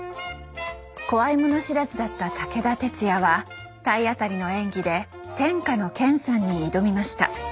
怖いもの知らずだった武田鉄矢は体当たりの演技で天下の「健さん」に挑みました。